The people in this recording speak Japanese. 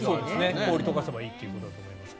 氷を解かせばいいということだと思いますが。